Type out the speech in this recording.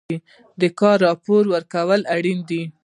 کاري راپور ورکول اړین دي